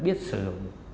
biết sử dụng